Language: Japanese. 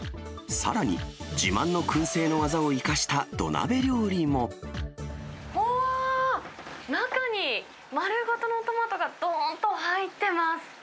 さらに、自慢のくん製の技をああー、中に丸ごとのトマトがどんと入ってます。